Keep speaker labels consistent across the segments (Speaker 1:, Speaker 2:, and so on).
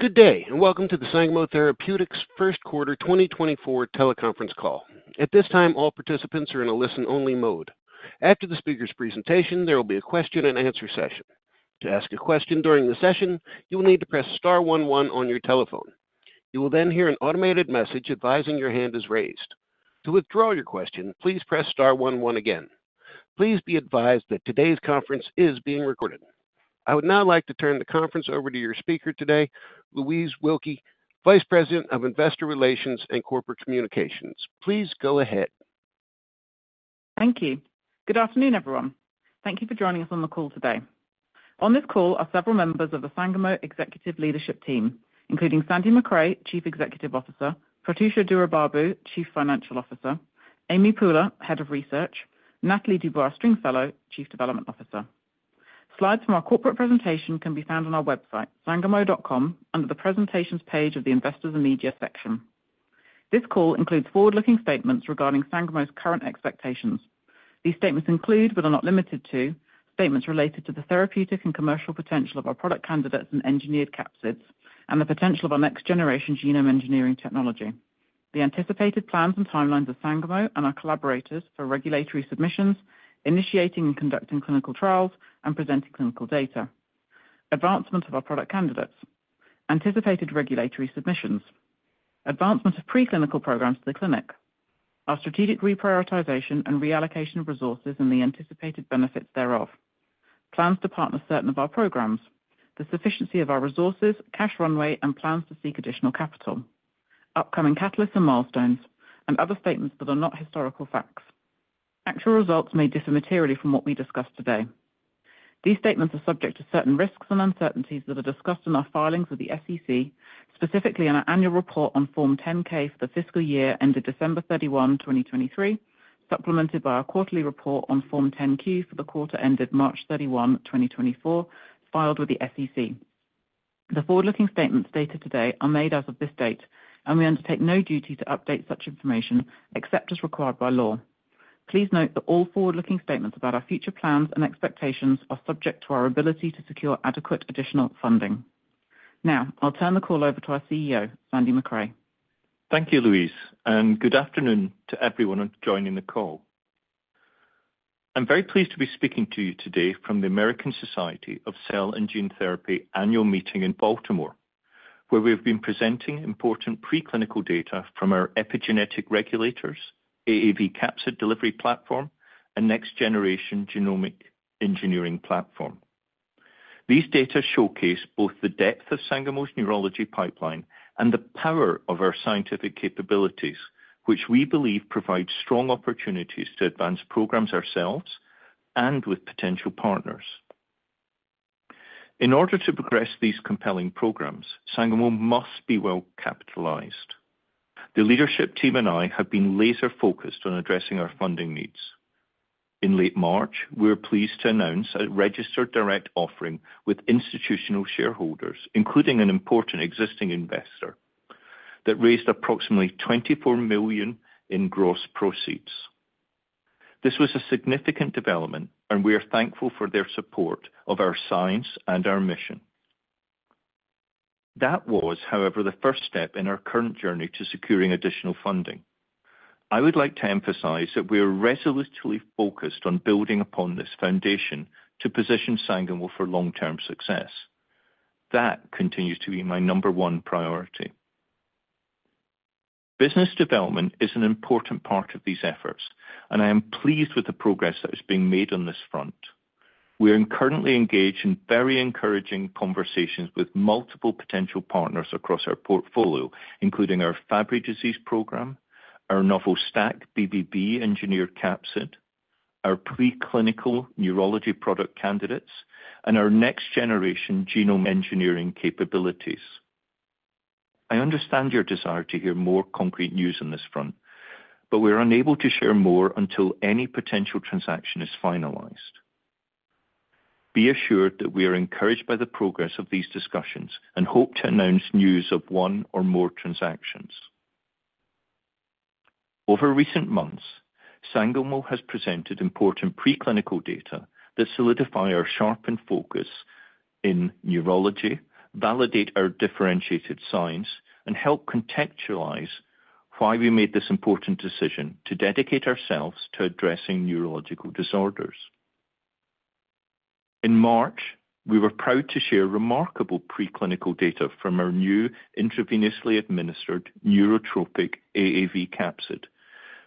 Speaker 1: Good day and welcome to the Sangamo Therapeutics first quarter 2024 teleconference call. At this time, all participants are in a listen-only mode. After the speaker's presentation, there will be a question-and-answer session. To ask a question during the session, you will need to press star one one on your telephone. You will then hear an automated message advising your hand is raised. To withdraw your question, please press star one one again. Please be advised that today's conference is being recorded. I would now like to turn the conference over to your speaker today, Louise Wilkie, Vice President of Investor Relations and Corporate Communications. Please go ahead.
Speaker 2: Thank you. Good afternoon, everyone. Thank you for joining us on the call today. On this call are several members of the Sangamo Executive Leadership Team, including Sandy Macrae, Chief Executive Officer; Prathyusha Duraibabu, Chief Financial Officer; Amy Pooler, Head of Research; Nathalie Dubois-Stringfellow, Chief Development Officer. Slides from our corporate presentation can be found on our website, sangamo.com, under the Presentations page of the Investors and Media section. This call includes forward-looking statements regarding Sangamo's current expectations. These statements include, but are not limited to, statements related to the therapeutic and commercial potential of our product candidates and engineered capsids, and the potential of our next-generation genome engineering technology. The anticipated plans and timelines of Sangamo and our collaborators for regulatory submissions, initiating and conducting clinical trials, and presenting clinical data. Advancement of our product candidates. Anticipated regulatory submissions. Advancement of preclinical programs to the clinic. Our strategic reprioritization and reallocation of resources and the anticipated benefits thereof. Plans to partner certain of our programs. The sufficiency of our resources, cash runway, and plans to seek additional capital. Upcoming catalysts and milestones, and other statements that are not historical facts. Actual results may differ materially from what we discussed today. These statements are subject to certain risks and uncertainties that are discussed in our filings with the SEC, specifically in our annual report on Form 10-K for the fiscal year ended December 31, 2023, supplemented by our quarterly report on Form 10-Q for the quarter ended March 31, 2024, filed with the SEC. The forward-looking statements dated today are made as of this date, and we undertake no duty to update such information except as required by law. Please note that all forward-looking statements about our future plans and expectations are subject to our ability to secure adequate additional funding. Now, I'll turn the call over to our CEO, Sandy Macrae.
Speaker 3: Thank you, Louise, and good afternoon to everyone joining the call. I'm very pleased to be speaking to you today from the American Society of Cell and Gene Therapy annual meeting in Baltimore, where we have been presenting important preclinical data from our epigenetic regulators, AAV capsid delivery platform, and next-generation genomic engineering platform. These data showcase both the depth of Sangamo's neurology pipeline and the power of our scientific capabilities, which we believe provide strong opportunities to advance programs ourselves and with potential partners. In order to progress these compelling programs, Sangamo must be well capitalized. The leadership team and I have been laser-focused on addressing our funding needs. In late March, we were pleased to announce a registered direct offering with institutional shareholders, including an important existing investor, that raised approximately $24 million in gross proceeds. This was a significant development, and we are thankful for their support of our science and our mission. That was, however, the first step in our current journey to securing additional funding. I would like to emphasize that we are resolutely focused on building upon this foundation to position Sangamo for long-term success. That continues to be my number one priority. Business development is an important part of these efforts, and I am pleased with the progress that is being made on this front. We are currently engaged in very encouraging conversations with multiple potential partners across our portfolio, including our Fabry disease program, our STAC-BBB engineered capsid, our preclinical neurology product candidates, and our next-generation genome engineering capabilities. I understand your desire to hear more concrete news on this front, but we are unable to share more until any potential transaction is finalized. Be assured that we are encouraged by the progress of these discussions and hope to announce news of one or more transactions. Over recent months, Sangamo has presented important preclinical data that solidify our sharpened focus in neurology, validate our differentiated science, and help contextualize why we made this important decision to dedicate ourselves to addressing neurological disorders. In March, we were proud to share remarkable preclinical data from our new intravenously administered neurotropic AAV capsid,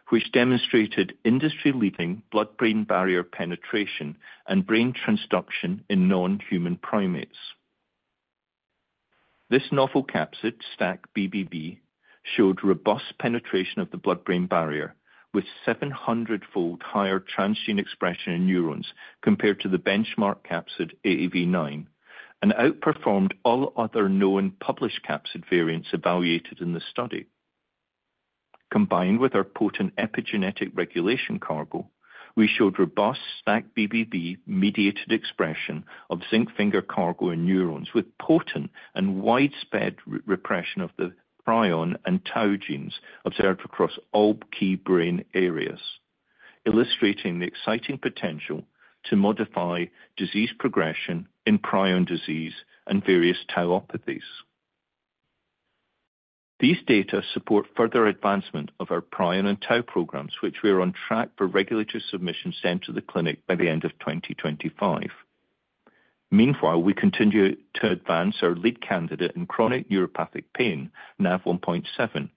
Speaker 3: which demonstrated industry-leading blood-brain barrier penetration and brain transduction in non-human primates. This novel capsid, STAC-BBB, showed robust penetration of the blood-brain barrier with 700-fold higher transgene expression in neurons compared to the benchmark capsid AAV9 and outperformed all other known published capsid variants evaluated in the study. Combined with our potent epigenetic regulation cargo, we showed robust STAC-BBB-mediated expression of zinc finger cargo in neurons with potent and widespread repression of the prion and tau genes observed across all key brain areas, illustrating the exciting potential to modify disease progression in prion disease and various tauopathies. These data support further advancement of our prion and tau programs, which we are on track for regulatory submission sent to the clinic by the end of 2025. Meanwhile, we continue to advance our lead candidate in chronic neuropathic pain, NaV1.7,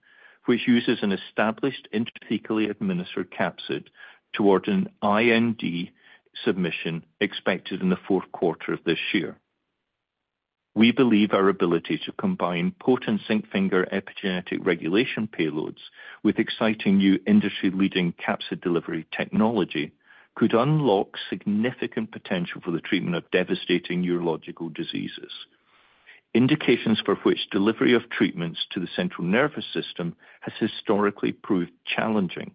Speaker 3: which uses an established intrathecally administered capsid toward an IND submission expected in the fourth quarter of this year. We believe our ability to combine potent zinc finger epigenetic regulation payloads with exciting new industry-leading capsid delivery technology could unlock significant potential for the treatment of devastating neurological diseases, indications for which delivery of treatments to the central nervous system has historically proved challenging.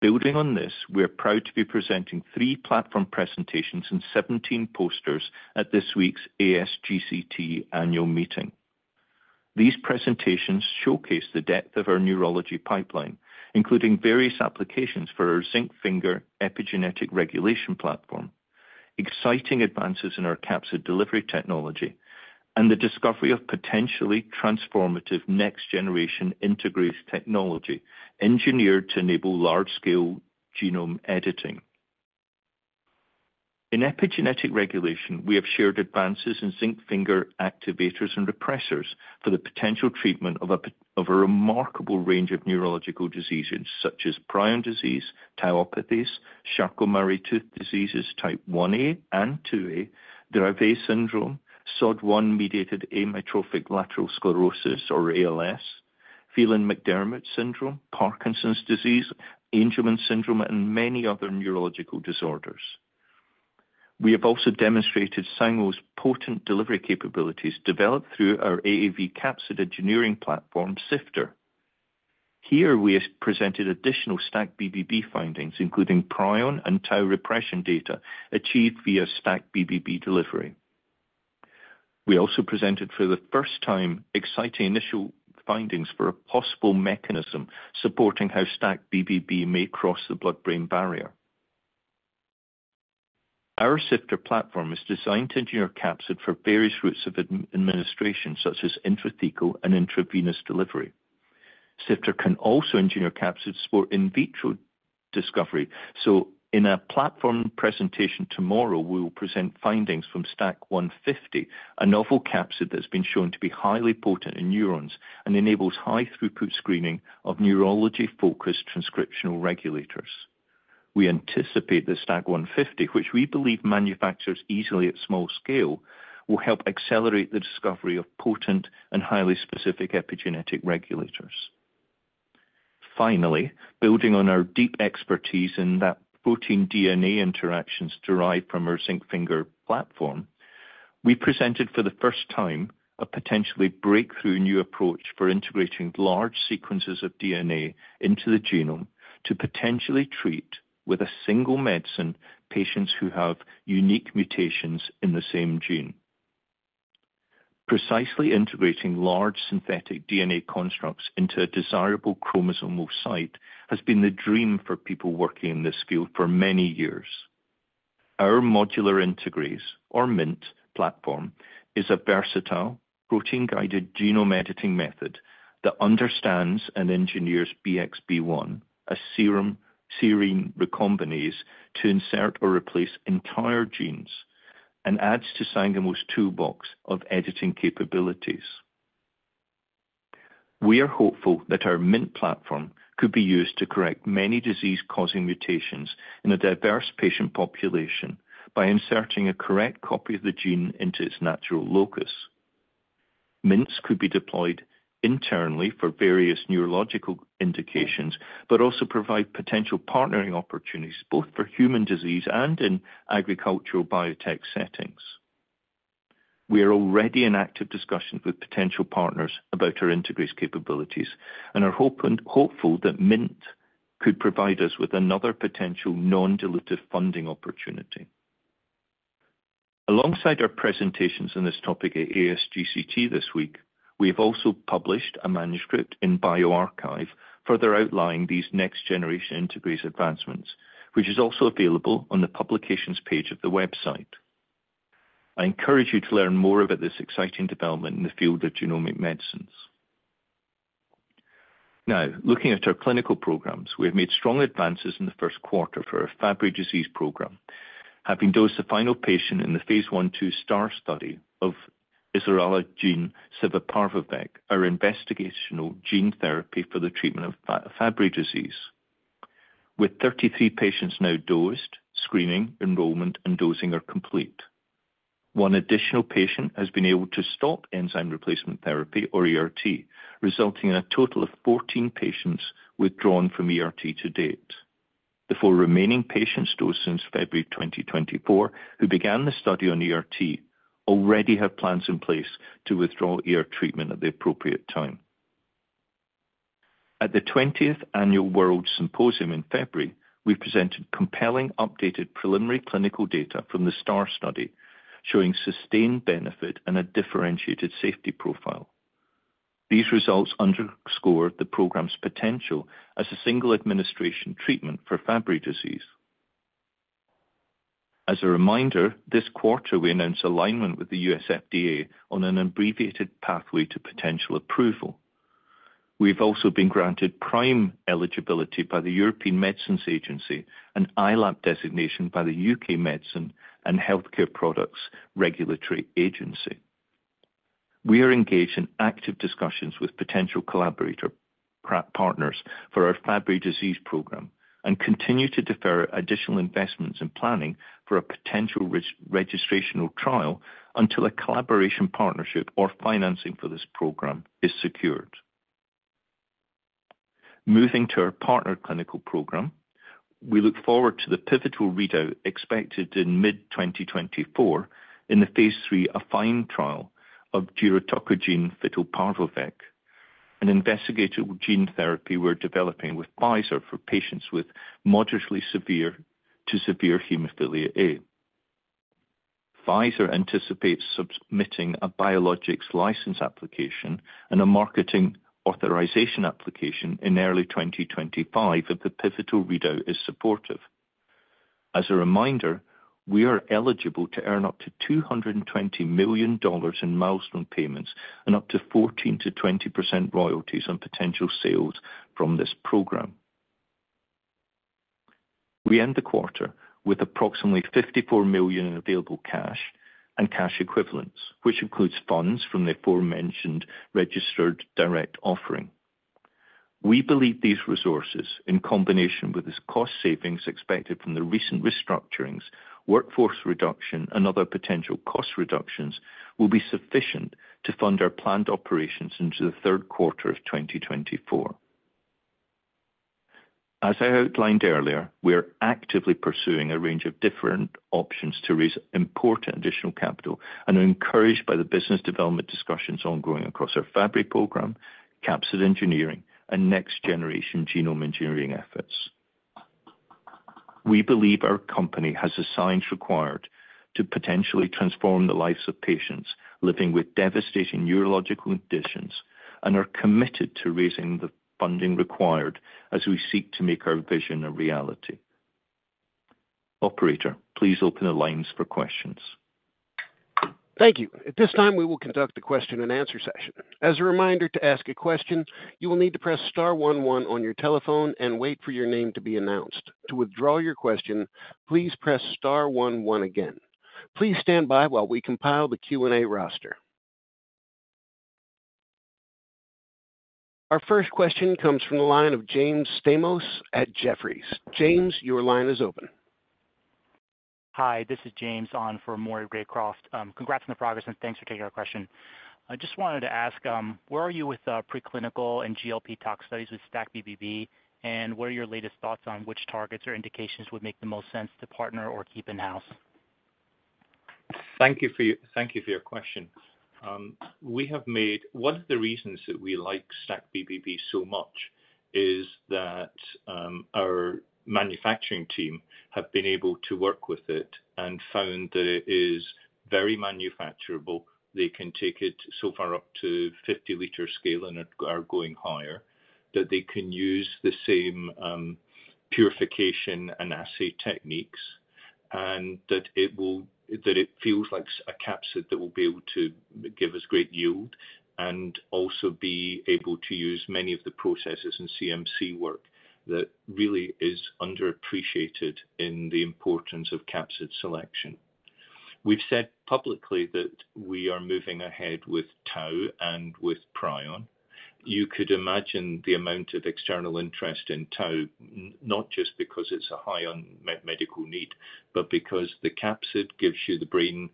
Speaker 3: Building on this, we are proud to be presenting three platform presentations and 17 posters at this week's ASGCT annual meeting. These presentations showcase the depth of our neurology pipeline, including various applications for our zinc finger epigenetic regulation platform, exciting advances in our capsid delivery technology, and the discovery of potentially transformative next-generation integrated technology engineered to enable large-scale genome editing. In epigenetic regulation, we have shared advances in zinc finger activators and repressors for the potential treatment of a remarkable range of neurological diseases such as prion disease, tauopathies, Charcot-Marie-Tooth diseases type 1A and 2A, Dravet syndrome, SOD1-mediated amyotrophic lateral sclerosis, or ALS, Phelan-McDermid syndrome, Parkinson's disease, Angelman syndrome, and many other neurological disorders. We have also demonstrated Sangamo's potent delivery capabilities developed through our AAV capsid engineering platform, SIFTER. Here, we presented additional STAC-BBB findings, including prion and tau repression data achieved via STAC-BBB delivery. We also presented for the first time exciting initial findings for a possible mechanism supporting how STAC-BBB may cross the blood-brain barrier. Our SIFTER platform is designed to engineer capsid for various routes of administration, such as intrathecal and intravenous delivery. SIFTER can also engineer capsid support in vitro discovery. So, in a platform presentation tomorrow, we will present findings from STAC-150, a novel capsid that has been shown to be highly potent in neurons and enables high-throughput screening of neurology-focused transcriptional regulators. We anticipate that STAC-150, which we believe manufactures easily at small scale, will help accelerate the discovery of potent and highly specific epigenetic regulators. Finally, building on our deep expertise in that protein-DNA interactions derived from our zinc finger platform, we presented for the first time a potentially breakthrough new approach for integrating large sequences of DNA into the genome to potentially treat with a single medicine patients who have unique mutations in the same gene. Precisely integrating large synthetic DNA constructs into a desirable chromosomal site has been the dream for people working in this field for many years. Our modular integrase, or MINT, platform is a versatile protein-guided genome editing method that understands and engineers BXB1, a serine recombinase, to insert or replace entire genes and adds to Sangamo's toolbox of editing capabilities. We are hopeful that our MINT platform could be used to correct many disease-causing mutations in a diverse patient population by inserting a correct copy of the gene into its natural locus. MINTs could be deployed internally for various neurological indications but also provide potential partnering opportunities both for human disease and in agricultural biotech settings. We are already in active discussions with potential partners about our integrase capabilities and are hopeful that MINT could provide us with another potential non-dilutive funding opportunity. Alongside our presentations on this topic at ASGCT this week, we have also published a manuscript in bioRxiv further outlining these next-generation integrase advancements, which is also available on the publications page of the website. I encourage you to learn more about this exciting development in the field of genomic medicines. Now, looking at our clinical programs, we have made strong advances in the first quarter for our Fabry disease program, having dosed the final patient in the phase I/II STAR study of isaralgagene civaparvovec, our investigational gene therapy for the treatment of Fabry disease. With 33 patients now dosed, screening, enrollment, and dosing are complete. One additional patient has been able to stop enzyme replacement therapy, or ERT, resulting in a total of 14 patients withdrawn from ERT to date. The four remaining patients dosed since February 2024 who began the study on ERT already have plans in place to withdraw treatment at the appropriate time. At the 20th Annual World Symposium in February, we presented compelling, updated preliminary clinical data from the STAR study showing sustained benefit and a differentiated safety profile. These results underscore the program's potential as a single-administration treatment for Fabry disease. As a reminder, this quarter we announced alignment with the U.S. FDA on an abbreviated pathway to potential approval. We have also been granted PRIME eligibility by the European Medicines Agency and ILAP designation by the U.K. Medicines and Healthcare Products Regulatory Agency. We are engaged in active discussions with potential collaborator partners for our Fabry disease program and continue to defer additional investments and planning for a potential registrational trial until a collaboration partnership or financing for this program is secured. Moving to our partner clinical program, we look forward to the pivotal readout expected in mid-2024 in the phase III AFFINE trial of giroctocogene fitelparvovec, an investigational gene therapy we're developing with Pfizer for patients with moderately severe to severe hemophilia A. Pfizer anticipates submitting a biologics license application and a marketing authorization application in early 2025 if the pivotal readout is supportive. As a reminder, we are eligible to earn up to $220 million in milestone payments and up to 14%-20% royalties on potential sales from this program. We end the quarter with approximately $54 million in available cash and cash equivalents, which includes funds from the aforementioned registered direct offering. We believe these resources, in combination with the cost savings expected from the recent restructurings, workforce reduction, and other potential cost reductions, will be sufficient to fund our planned operations into the third quarter of 2024. As I outlined earlier, we are actively pursuing a range of different options to raise important additional capital and are encouraged by the business development discussions ongoing across our Fabry program, capsid engineering, and next-generation genome engineering efforts. We believe our company has the science required to potentially transform the lives of patients living with devastating neurological conditions and are committed to raising the funding required as we seek to make our vision a reality. Operator, please open the lines for questions.
Speaker 1: Thank you. At this time, we will conduct a question-and-answer session. As a reminder, to ask a question, you will need to press star one one on your telephone and wait for your name to be announced. To withdraw your question, please press star one one again. Please stand by while we compile the Q&A roster. Our first question comes from the line of James Stamos at Jefferies. James, your line is open.
Speaker 4: Hi. This is James on for Maury Raycroft. Congrats on the progress, and thanks for taking our question. I just wanted to ask, where are you with preclinical and GLP-tox studies with STAC-BBB, and what are your latest thoughts on which targets or indications would make the most sense to partner or keep in-house?
Speaker 3: Thank you for your question. One of the reasons that we like STAC-BBB so much is that our manufacturing team have been able to work with it and found that it is very manufacturable. They can take it so far up to 50-liter scale and are going higher, that they can use the same purification and assay techniques, and that it feels like a capsid that will be able to give us great yield and also be able to use many of the processes and CMC work that really is underappreciated in the importance of capsid selection. We've said publicly that we are moving ahead with tau and with prion. You could imagine the amount of external interest in tau, not just because it's a high-end medical need, but because the capsid gives you the brain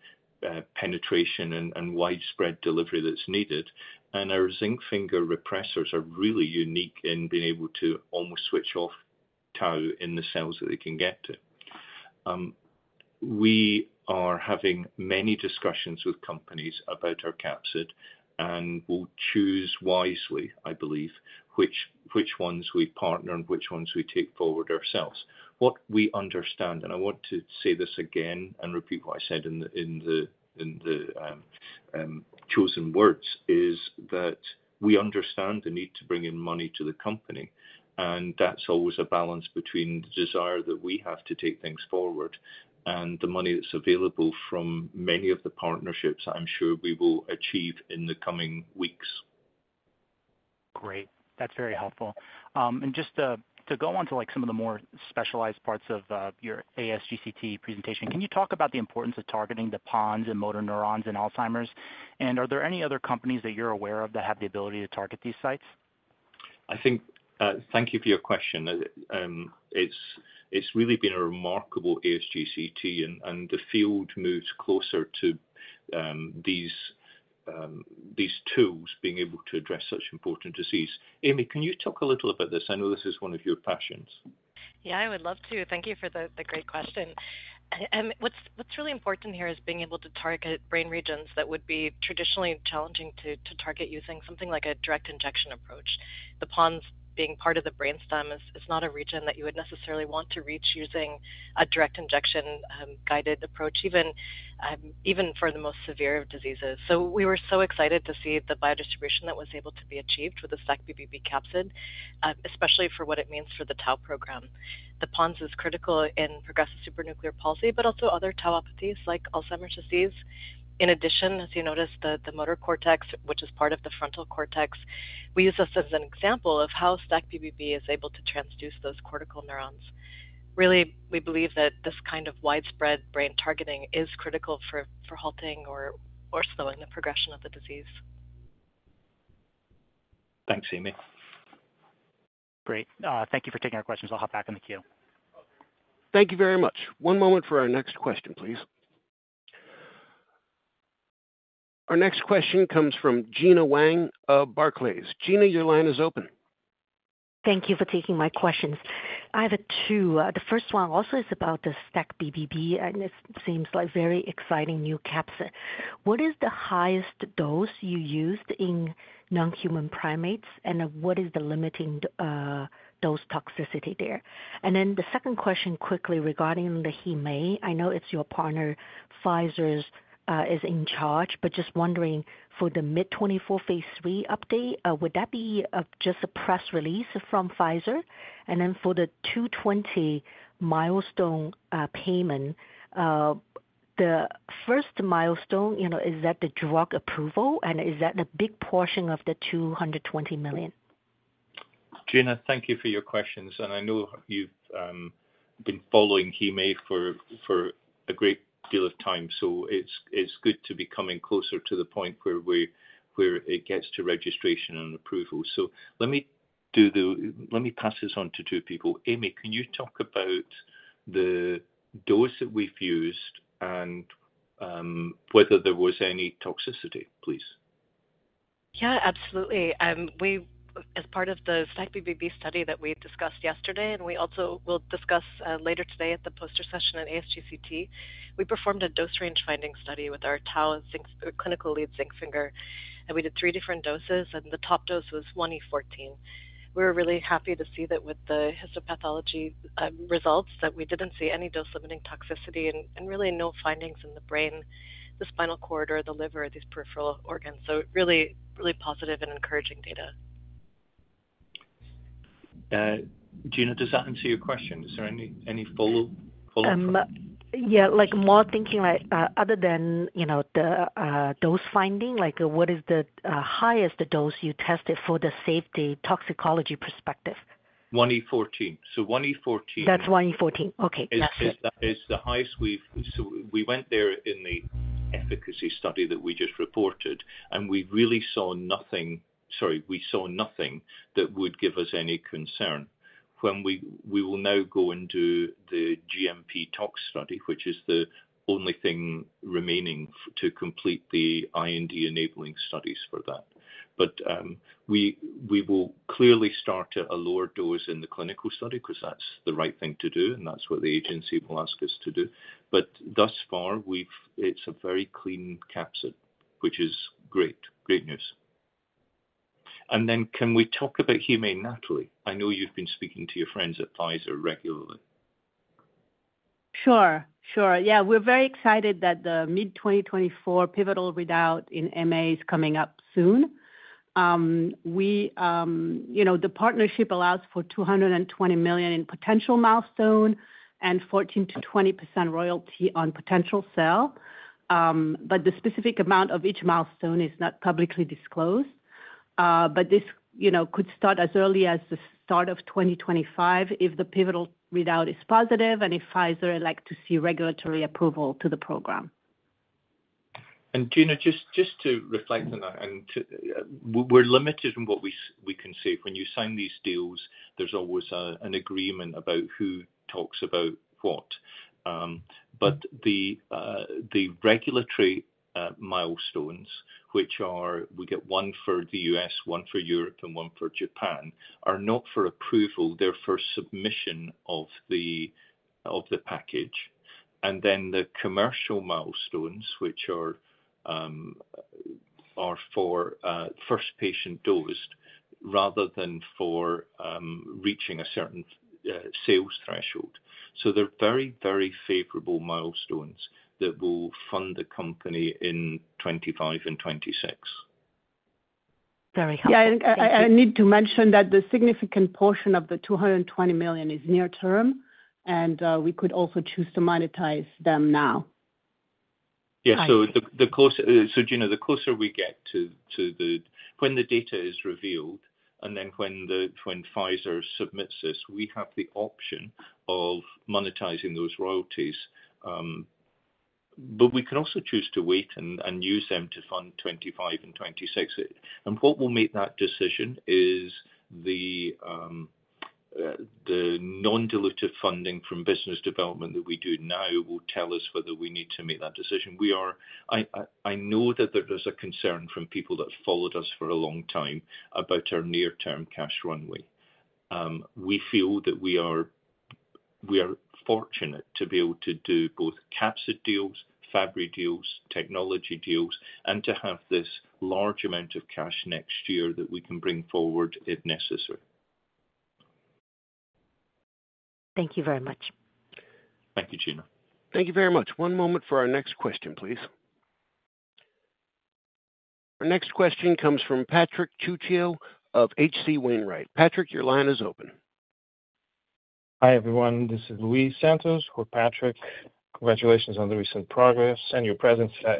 Speaker 3: penetration and widespread delivery that's needed. Our zinc finger repressors are really unique in being able to almost switch off tau in the cells that they can get to. We are having many discussions with companies about our capsid and will choose wisely, I believe, which ones we partner and which ones we take forward ourselves. What we understand, and I want to say this again and repeat what I said in the chosen words, is that we understand the need to bring in money to the company. That's always a balance between the desire that we have to take things forward and the money that's available from many of the partnerships that I'm sure we will achieve in the coming weeks.
Speaker 4: Great. That's very helpful. Just to go on to some of the more specialized parts of your ASGCT presentation, can you talk about the importance of targeting the pons in motor neurons in Alzheimer's? And are there any other companies that you're aware of that have the ability to target these sites?
Speaker 3: Thank you for your question. It's really been a remarkable ASGCT, and the field moves closer to these tools being able to address such important disease. Amy, can you talk a little about this? I know this is one of your passions.
Speaker 5: Yeah, I would love to. Thank you for the great question. What's really important here is being able to target brain regions that would be traditionally challenging to target using something like a direct injection approach. The pons being part of the brainstem is not a region that you would necessarily want to reach using a direct injection-guided approach, even for the most severe of diseases. So we were so excited to see the biodistribution that was able to be achieved with the STAC-BBB capsid, especially for what it means for the tau program. The pons are critical in progressive supranuclear palsy but also other tauopathies like Alzheimer's disease. In addition, as you noticed, the motor cortex, which is part of the frontal cortex, we use this as an example of how STAC-BBB is able to transduce those cortical neurons. Really, we believe that this kind of widespread brain targeting is critical for halting or slowing the progression of the disease.
Speaker 3: Thanks, Amy.
Speaker 4: Great. Thank you for taking our questions. I'll hop back on the queue.
Speaker 1: Thank you very much. One moment for our next question, please. Our next question comes from Gena Wang of Barclays. Gena, your line is open.
Speaker 6: Thank you for taking my questions. I have two. The first one also is about the STAC-BBB, and it seems like a very exciting new capsid. What is the highest dose you used in non-human primates, and what is the limiting dose toxicity there? And then the second question quickly regarding the hemophilia A. I know it's your partner. Pfizer is in charge, but just wondering, for the mid-2024 phase III update, would that be just a press release from Pfizer? And then for the $220 million milestone payment, the first milestone is that the drug approval, and is that the big portion of the $220 million?
Speaker 3: Gena, thank you for your questions. I know you've been following hemophilia A for a great deal of time, so it's good to be coming closer to the point where it gets to registration and approval. Let me pass this on to two people. Amy, can you talk about the dose that we've used and whether there was any toxicity, please?
Speaker 5: Yeah, absolutely. As part of the STAC-BBB study that we discussed yesterday, and we also will discuss later today at the poster session at ASGCT, we performed a dose range finding study with our clinical lead zinc finger, and we did three different doses, and the top dose was 1e14. We were really happy to see that with the histopathology results, that we didn't see any dose-limiting toxicity and really no findings in the brain, the spinal cord, or the liver, or these peripheral organs. So really, really positive and encouraging data.
Speaker 3: Gena, does that answer your question? Is there any follow-up?
Speaker 6: Yeah, more thinking other than the dose finding, what is the highest dose you tested for the safety toxicology perspective?
Speaker 3: 1e14. So 1e14.
Speaker 6: That's 1e14. Okay. Yes.
Speaker 3: Is the highest we've so we went there in the efficacy study that we just reported, and we really saw nothing, sorry, we saw nothing, that would give us any concern. We will now go and do the GMP tox study, which is the only thing remaining to complete the IND-enabling studies for that. But we will clearly start at a lower dose in the clinical study because that's the right thing to do, and that's what the agency will ask us to do. But thus far, it's a very clean capsid, which is great. Great news. And then can we talk about hemophilia A, Nathalie? I know you've been speaking to your friends at Pfizer regularly.
Speaker 7: Sure. Sure. Yeah, we're very excited that the mid-2024 pivotal readout in MA is coming up soon. The partnership allows for $220 million in potential milestone and 14%-20% royalty on potential sales. But the specific amount of each milestone is not publicly disclosed. But this could start as early as the start of 2025 if the pivotal readout is positive and if Pfizer elects to see regulatory approval to the program.
Speaker 3: And Gena, just to reflect on that, we're limited in what we can see. When you sign these deals, there's always an agreement about who talks about what. But the regulatory milestones, which are we get one for the U.S., one for Europe, and one for Japan, are not for approval. They're for submission of the package. Then the commercial milestones, which are for first patient dosed rather than for reaching a certain sales threshold. They're very, very favorable milestones that will fund the company in 2025 and 2026.
Speaker 6: Very helpful.
Speaker 7: Yeah, and I need to mention that the significant portion of the $220 million is near-term, and we could also choose to monetize them now.
Speaker 3: Yeah. Gena, the closer we get to when the data is revealed and then when Pfizer submits this, we have the option of monetizing those royalties. We can also choose to wait and use them to fund 2025 and 2026. What will make that decision is the non-dilutive funding from business development that we do now will tell us whether we need to make that decision. I know that there is a concern from people that followed us for a long time about our near-term cash runway. We feel that we are fortunate to be able to do both capsid deals, Fabry deals, technology deals, and to have this large amount of cash next year that we can bring forward if necessary.
Speaker 6: Thank you very much.
Speaker 3: Thank you, Gena.
Speaker 1: Thank you very much. One moment for our next question, please. Our next question comes from Patrick Trucchio of H.C. Wainwright. Patrick, your line is open.
Speaker 8: Hi, everyone. This is Luis Santos for Patrick. Congratulations on the recent progress and your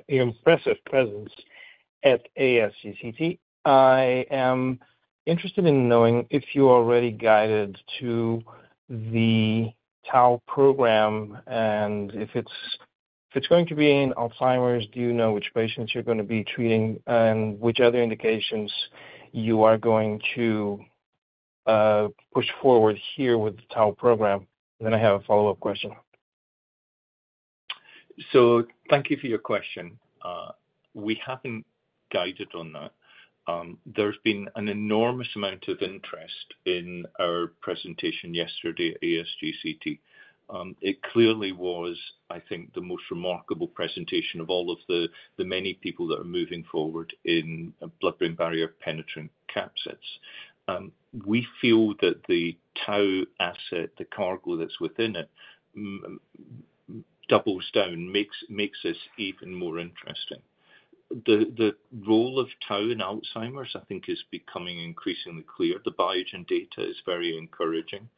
Speaker 8: impressive presence at ASGCT. I am interested in knowing if you're already guided to the tau program and if it's going to be in Alzheimer's, do you know which patients you're going to be treating and which other indications you are going to push forward here with the tau program? And then I have a follow-up question.
Speaker 3: So thank you for your question. We haven't guided on that. There's been an enormous amount of interest in our presentation yesterday at ASGCT. It clearly was, I think, the most remarkable presentation of all of the many people that are moving forward in blood-brain barrier penetrating capsids. We feel that the tau asset, the cargo that's within it, doubles down, makes us even more interesting. The role of tau in Alzheimer's, I think, is becoming increasingly clear. The Biogen data is very encouraging.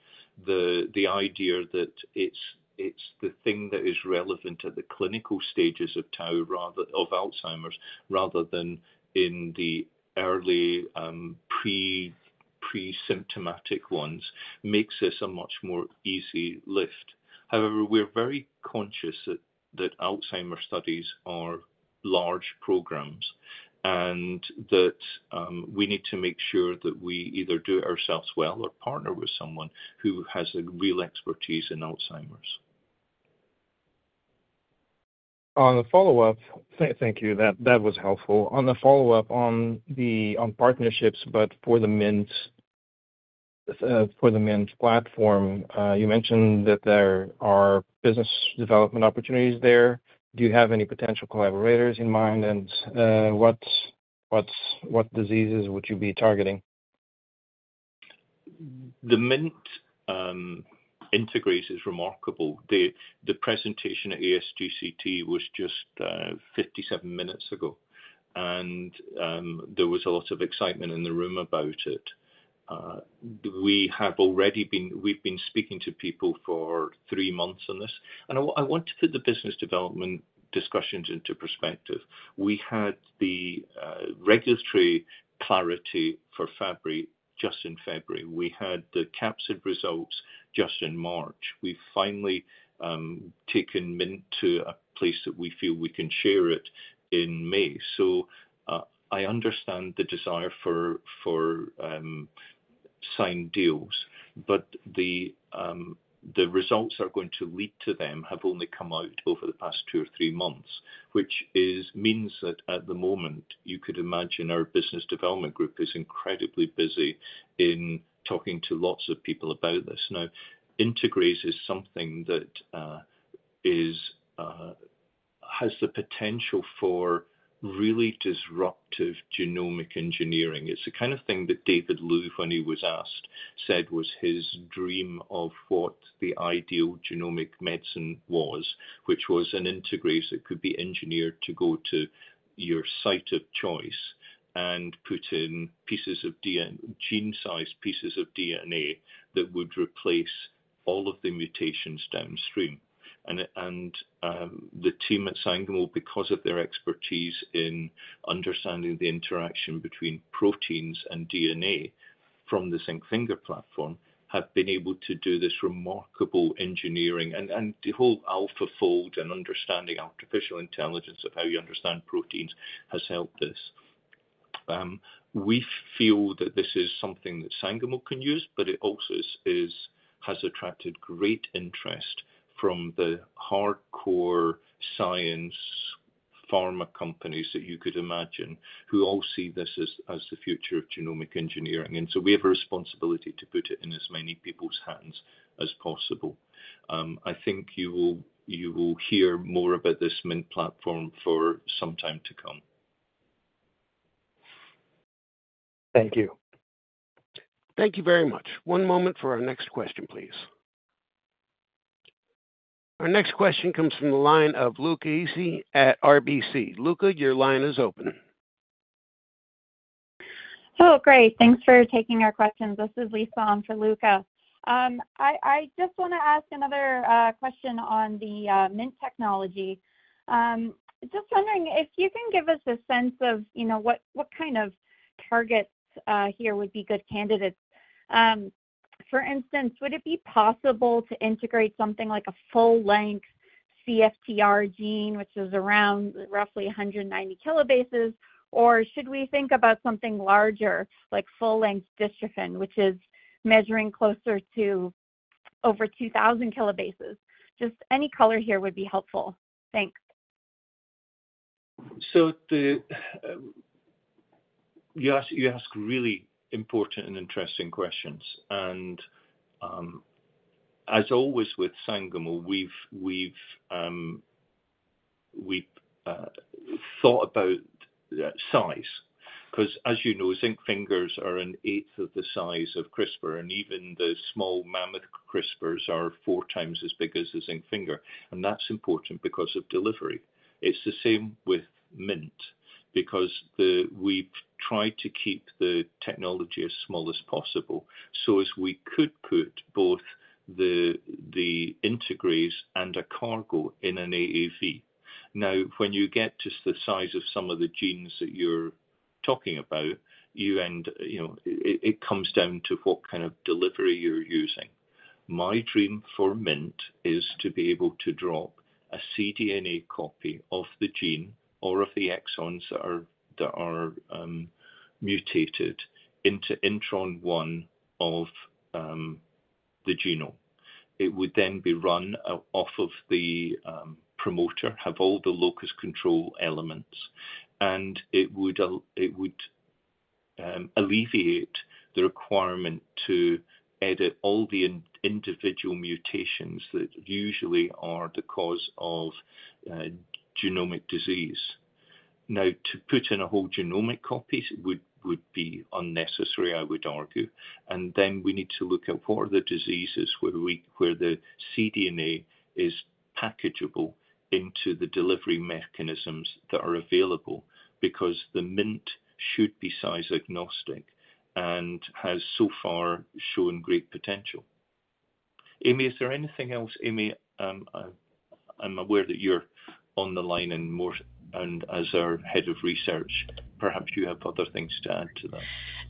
Speaker 3: The idea that it's the thing that is relevant at the clinical stages of Alzheimer's rather than in the early pre-symptomatic ones makes this a much more easy lift. However, we're very conscious that Alzheimer's studies are large programs and that we need to make sure that we either do it ourselves well or partner with someone who has real expertise in Alzheimer's.
Speaker 8: On the follow-up, thank you. That was helpful. On the follow-up on partnerships, but for the MINT platform, you mentioned that there are business development opportunities there. Do you have any potential collaborators in mind, and what diseases would you be targeting?
Speaker 3: The MINT integration is remarkable. The presentation at ASGCT was just 57 minutes ago, and there was a lot of excitement in the room about it. We've been speaking to people for three months on this. I want to put the business development discussions into perspective. We had the regulatory clarity for Fabry just in February. We had the capsid results just in March. We've finally taken MINT to a place that we feel we can share it in May. So I understand the desire for signed deals, but the results that are going to lead to them have only come out over the past two or three months, which means that at the moment, you could imagine our business development group is incredibly busy in talking to lots of people about this. Now, integration is something that has the potential for really disruptive genomic engineering. It's the kind of thing that David Louis, when he was asked, said was his dream of what the ideal genomic medicine was, which was an integration that could be engineered to go to your site of choice and put in gene-sized pieces of DNA that would replace all of the mutations downstream. The team at Sangamo, because of their expertise in understanding the interaction between proteins and DNA from the zinc finger platform, have been able to do this remarkable engineering. The whole AlphaFold and understanding artificial intelligence of how you understand proteins has helped this. We feel that this is something that Sangamo can use, but it also has attracted great interest from the hardcore science pharma companies that you could imagine who all see this as the future of genomic engineering. So we have a responsibility to put it in as many people's hands as possible. I think you will hear more about this MINT platform for some time to come.
Speaker 8: Thank you.
Speaker 1: Thank you very much. One moment for our next question, please. Our next question comes from the line of Luca Issi at RBC. Luca, your line is open.
Speaker 9: Oh, great. Thanks for taking our questions. This is Lisa on for Luca. I just want to ask another question on the MINT technology. Just wondering if you can give us a sense of what kind of targets here would be good candidates. For instance, would it be possible to integrate something like a full-length CFTR gene, which is around roughly 190 kb, or should we think about something larger like full-length dystrophin, which is measuring closer to over 2,000 kb? Just any color here would be helpful. Thanks.
Speaker 3: You ask really important and interesting questions. As always with Sangamo, we've thought about size because, as you know, zinc fingers are an eighth of the size of CRISPR, and even the small mammoth CRISPRs are four times as big as the zinc finger. That's important because of delivery. It's the same with MINT because we've tried to keep the technology as small as possible so as we could put both the integration and a cargo in an AAV. Now, when you get to the size of some of the genes that you're talking about, it comes down to what kind of delivery you're using. My dream for MINT is to be able to drop a cDNA copy of the gene or of the exons that are mutated into intron one of the genome. It would then be run off of the promoter, have all the locus control elements, and it would alleviate the requirement to edit all the individual mutations that usually are the cause of genomic disease. Now, to put in a whole genomic copy would be unnecessary, I would argue. And then we need to look at what are the diseases where the cDNA is packageable into the delivery mechanisms that are available because the MINT should be size-agnostic and has so far shown great potential. Amy, is there anything else? Amy, I'm aware that you're on the line and as our Head of Research, perhaps you have other things to add to that.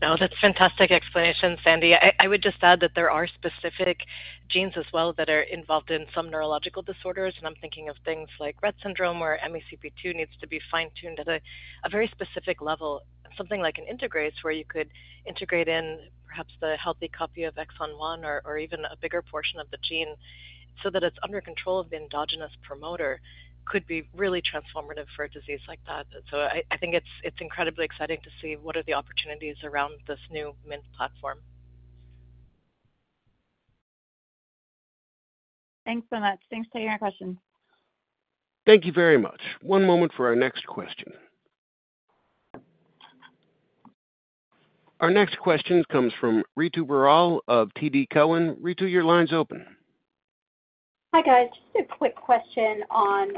Speaker 5: No, that's fantastic explanation, Sandy. I would just add that there are specific genes as well that are involved in some neurological disorders. And I'm thinking of things like Rett syndrome where MECP2 needs to be fine-tuned at a very specific level, something like an integration where you could integrate in perhaps the healthy copy of exon one or even a bigger portion of the gene so that it's under control of the endogenous promoter could be really transformative for a disease like that. So I think it's incredibly exciting to see what are the opportunities around this new MINT platform.
Speaker 9: Thanks so much. Thanks for taking our questions.
Speaker 1: Thank you very much. One moment for our next question. Our next question comes from Ritu Baral of TD Cowen. Ritu, your line's open.
Speaker 10: Hi, guys. Just a quick question on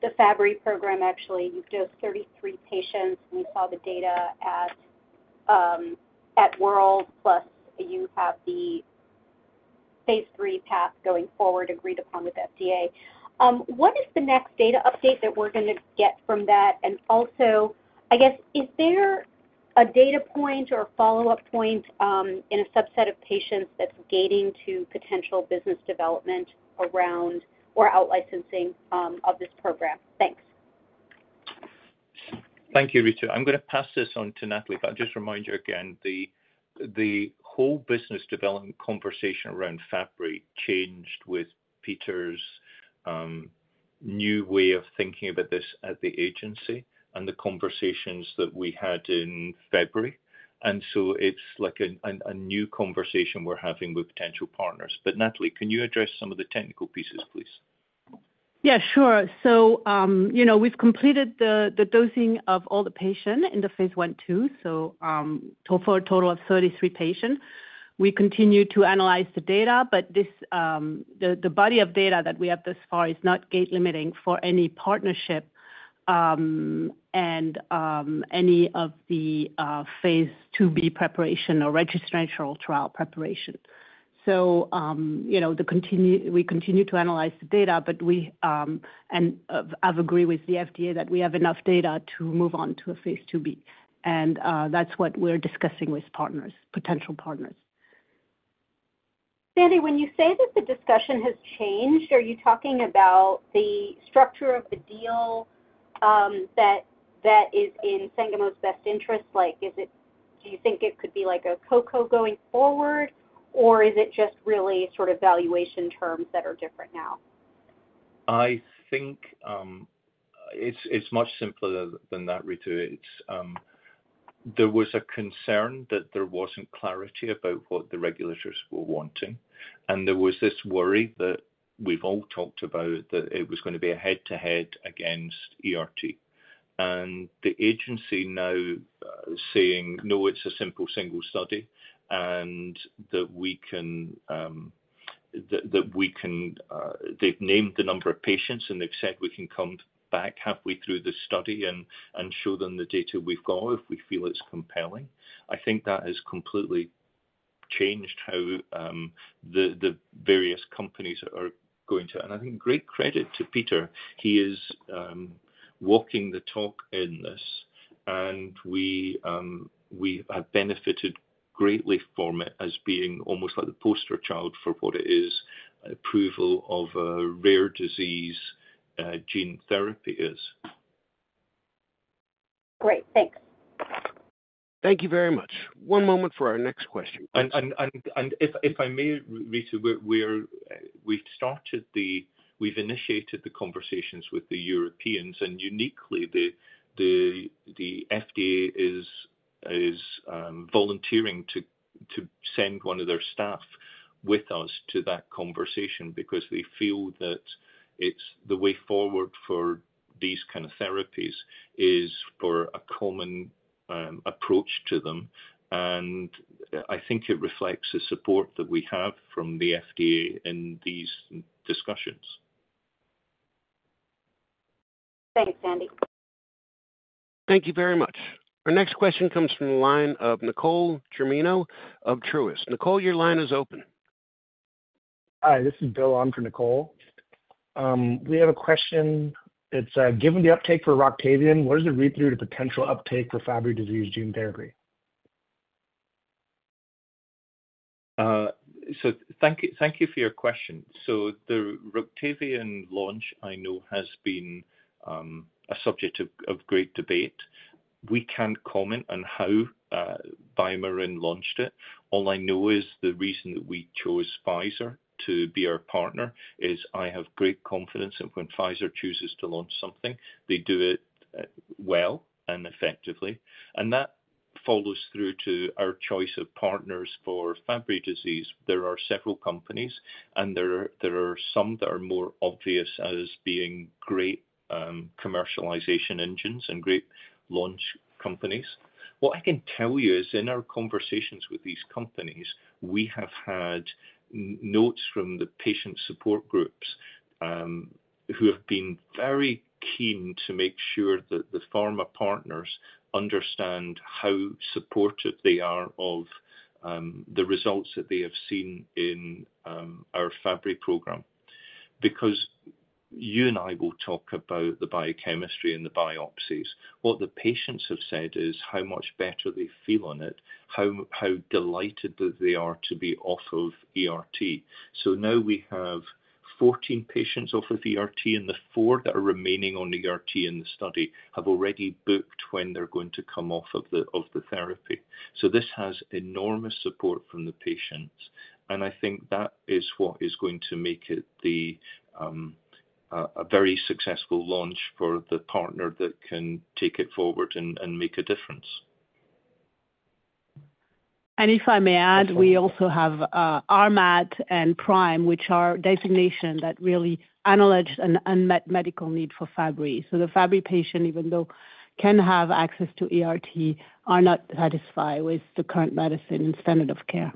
Speaker 10: the Fabry program, actually. You've dosed 33 patients. We saw the data at World, plus you have the phase III path going forward agreed upon with FDA. What is the next data update that we're going to get from that? And also, I guess, is there a data point or a follow-up point in a subset of patients that's gating to potential business development around or outlicensing of this program? Thanks.
Speaker 3: Thank you, Ritu. I'm going to pass this on to Nathalie. But I'll just remind you again, the whole business development conversation around Fabry changed with Peter's new way of thinking about this at the agency and the conversations that we had in February. And so it's a new conversation we're having with potential partners. But Nathalie, can you address some of the technical pieces, please?
Speaker 7: Yeah, sure. So we've completed the dosing of all the patients in the phase I/II, so for a total of 33 patients. We continue to analyze the data, but the body of data that we have thus far is not gate-limiting for any partnership and any of the phase II-B preparation or registration trial preparation. So we continue to analyze the data, and I've agreed with the FDA that we have enough data to move on to a phase II-B. And that's what we're discussing with potential partners.
Speaker 10: Sandy, when you say that the discussion has changed, are you talking about the structure of the deal that is in Sangamo's best interest? Do you think it could be like a Co-Co going forward, or is it just really sort of valuation terms that are different now?
Speaker 3: I think it's much simpler than that, Ritu. There was a concern that there wasn't clarity about what the regulators were wanting, and there was this worry that we've all talked about that it was going to be a head-to-head against ERT. And the agency now is saying, "No, it's a simple single study," and that we can. They've named the number of patients, and they've said, "We can come back halfway through the study and show them the data we've got if we feel it's compelling." I think that has completely changed how the various companies are going to, and I think great credit to Peter. He is walking the talk in this, and we have benefited greatly from it as being almost like the poster child for what it is, approval of a rare disease gene therapy is.
Speaker 10: Great. Thanks.
Speaker 1: Thank you very much. One moment for our next question.
Speaker 3: And if I may, Ritu, we've initiated the conversations with the Europeans, and uniquely, the FDA is volunteering to send one of their staff with us to that conversation because they feel that the way forward for these kind of therapies is for a common approach to them. And I think it reflects the support that we have from the FDA in these discussions.
Speaker 10: Thanks, Sandy.
Speaker 1: Thank you very much. Our next question comes from the line of Nicole Germino of Truist. Nicole, your line is open.
Speaker 11: Hi, this is Bill on for Nicole. We have a question. It's, "Given the uptake for Roctavian, what is the read-through to potential uptake for Fabry disease gene therapy?"
Speaker 3: So thank you for your question. So the Roctavian launch, I know, has been a subject of great debate. We can't comment on how BioMarin launched it. All I know is the reason that we chose Pfizer to be our partner is I have great confidence that when Pfizer chooses to launch something, they do it well and effectively. And that follows through to our choice of partners for Fabry disease. There are several companies, and there are some that are more obvious as being great commercialization engines and great launch companies. What I can tell you is in our conversations with these companies, we have had notes from the patient support groups who have been very keen to make sure that the pharma partners understand how supportive they are of the results that they have seen in our Fabry program. Because you and I will talk about the biochemistry and the biopsies, what the patients have said is how much better they feel on it, how delighted that they are to be off of ERT. So now we have 14 patients off of ERT, and the four that are remaining on ERT in the study have already booked when they're going to come off of the therapy. So this has enormous support from the patients, and I think that is what is going to make it a very successful launch for the partner that can take it forward and make a difference.
Speaker 5: And if I may add, we also have RMAT and PRIME, which are designations that really acknowledge unmet medical need for Fabry. So the Fabry patients, even though they can have access to ERT, are not satisfied with the current medicine and standard of care.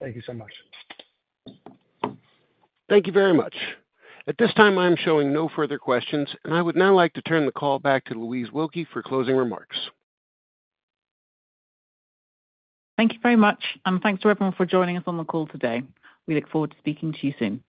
Speaker 11: Thank you so much.
Speaker 1: Thank you very much. At this time, I am showing no further questions, and I would now like to turn the call back to Louise Wilkie for closing remarks.
Speaker 2: Thank you very much, and thanks to everyone for joining us on the call today. We look forward to speaking to you soon.